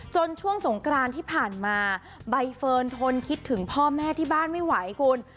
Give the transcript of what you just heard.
ช่วงสงกรานที่ผ่านมาใบเฟิร์นทนคิดถึงพ่อแม่ที่บ้านไม่ไหวคุณ